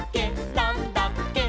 なんだっけ？！」